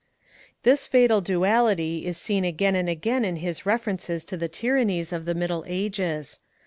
This fatal duality is seen again and again in his references to the tyrannies of the Middle Ages.